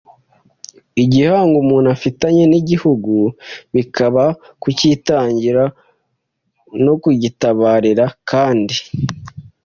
igihango umuntu afitanye n Igihugu bikaba kucyitangira no kugitabarira kandi